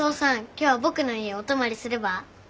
今日は僕の家お泊まりすれば？